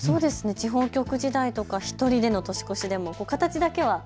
地方局時代とか１人の年越しでも形だけでは。